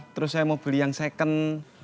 terus saya mau beli yang second